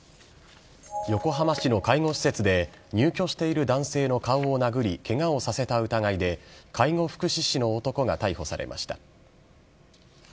横浜市の介護施設で、入居している男性の顔を殴り、けがをさせた疑いで、介護福祉士の男が逮捕されました。